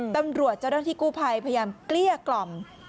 เจ้าหน้าที่กู้ภัยพยายามเกลี้ยกล่อม